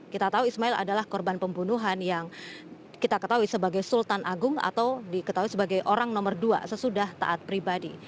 kita tahu ismail adalah korban pembunuhan yang kita ketahui sebagai sultan agung atau diketahui sebagai orang nomor dua sesudah taat pribadi